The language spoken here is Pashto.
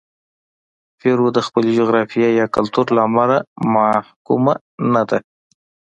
پیرو د خپلې جغرافیې یا کلتور له امله محکومه نه ده.